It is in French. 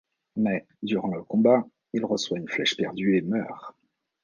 Mais, durant le combat, il reçoit une flèche perdue et meurt.